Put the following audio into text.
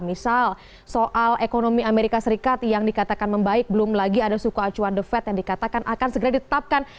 misal soal ekonomi amerika serikat yang dikatakan membaik belum lagi ada suku acuan the fed yang dikatakan akan segera ditetapkan